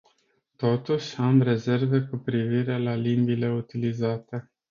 Totuși, am rezerve cu privire la limbile utilizate.